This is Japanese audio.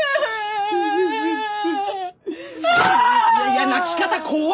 いや泣き方怖っ！